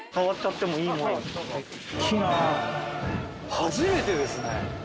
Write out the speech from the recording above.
初めてですね。